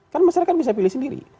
kan masyarakat bisa pilih sendiri